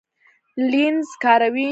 لینز کاروئ؟